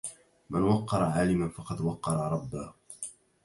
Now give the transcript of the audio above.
من وَقَّرَ عالِماً فقد وَقَّرَ ربّه.